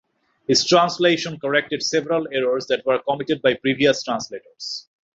His translation corrected several errors that were committed by previous translators.